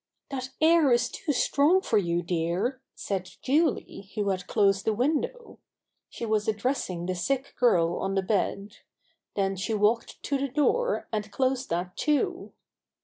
"That air is too strong for you, dear," said Julie who had closed the window. She was addressing the sick girl on the bed. Then she walked to the door and closed that too.